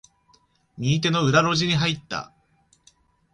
右手の裏路地に入った。